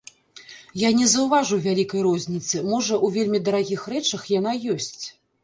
Я не заўважыў вялікай розніцы, можа, у вельмі дарагіх рэчах яна ёсць.